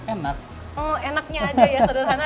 enak hmm enaknya aja ya